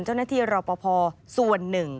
เจ้าหน้าที่รอปภส่วนหนึ่ง